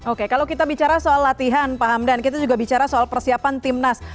oke kalau kita bicara soal latihan pak hamdan kita juga bicara soal persiapan timnas